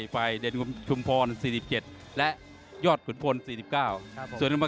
ฝ่อยแดง